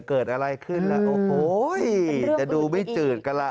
เกิดอะไรขึ้นล่ะโอ้โหจะดูไม่จืดกันล่ะ